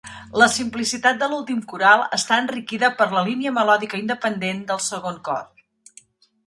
La simplicitat de l'últim coral està enriquida per la línia melòdica independent del segon cor.